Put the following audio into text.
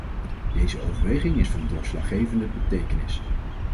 Deze overweging is van doorslaggevende betekenis.